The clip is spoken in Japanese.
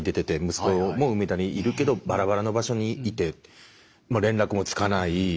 息子も梅田にいるけどバラバラの場所にいて連絡もつかない。